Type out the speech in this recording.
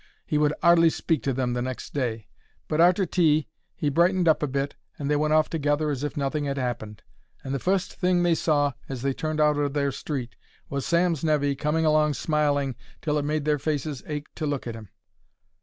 He would 'ardly speak to them next day, but arter tea he brightened up a bit and they went off together as if nothing 'ad happened, and the fust thing they saw as they turned out of their street was Sam's nevy coming along smiling till it made their faces ache to look at him.